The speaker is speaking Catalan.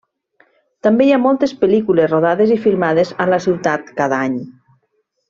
També hi ha moltes pel·lícules rodades i filmades a la ciutat cada any.